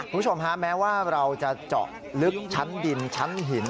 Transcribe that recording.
คุณผู้ชมฮะแม้ว่าเราจะเจาะลึกชั้นดินชั้นหิน